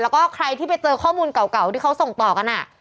แล้วก็ใครที่ไปเจอข้อมูลเก่าที่เขาส่งต่อกัน